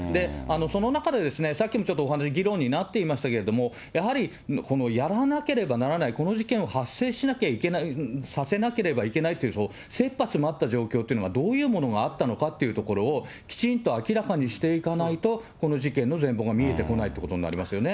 その中で、さっきもちょっとお話、議論になっていましたけれども、やはり、このやらなければならない、この事件を発生しなきゃいけない、させなければいけないっていう切羽詰まった状況というのは、どういうものがあったのかという所を、きちんと明らかにしていかないと、この事件の全貌が見えてこないってことになりますよね。